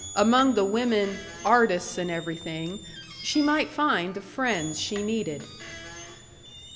Among the women "artists and everything" she might find the friends she needed.